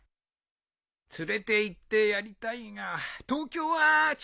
連れていってやりたいが東京はちと遠いのう。